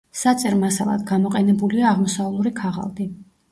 საწერ მასალად გამოყენებულია აღმოსავლური ქაღალდი.